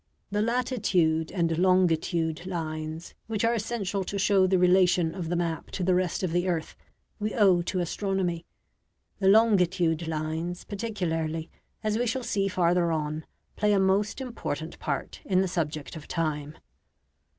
The latitude and longitude lines, which are essential to show the relation of the map to the rest of the earth, we owe to astronomy. The longitude lines, particularly, as we shall see farther on, play a most important part in the subject of time.